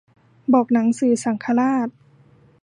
บอกหนังสือสังฆราช